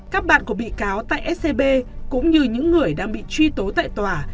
các bạn của bị cáo tại scb cũng như những người đang bị truy tố tại tòa